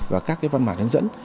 và các cái văn mặt hướng dẫn